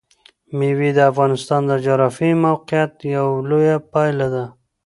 مېوې د افغانستان د جغرافیایي موقیعت یوه لویه پایله ده.